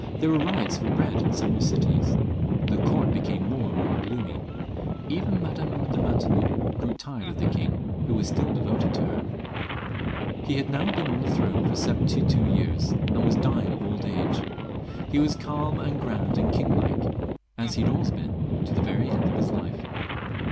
There were riots for bread in several cities. The court became more and more gloomy; even Madame de Maintenon grew tired of the king, who was still devoted to her. He had now been on the throne for seventy two years, and was dying of old age. He was calm and grand and king like, as XLV.] LOUIS XIV. 361 he had always been, to the very end of his life.